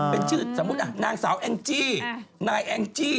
เป็นชื่อสมมุตินางสาวแองจี้นายแองจี้